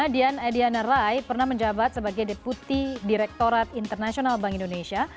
dian ediana rai pernah menjabat sebagai deputi direktorat internasional bank indonesia